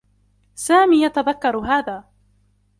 سامي يتذكّر هذا.